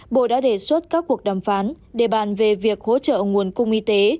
bộ đã đề xuất các cuộc đàm phán để bàn về việc hỗ trợ nguồn cung y tế